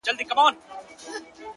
دا درې جامونـه پـه واوښـتـل ـ